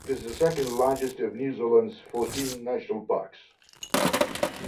It is the second largest of New Zealand's fourteen national parks.